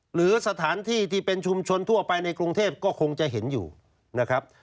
หรือสถานที่ที่เป็นชุมชนทั่วไปในกรุงเทพก็คงจะเห็นอยู่นะครับ